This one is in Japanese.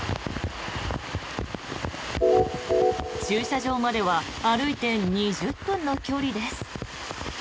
駐車場までは歩いて２０分の距離です。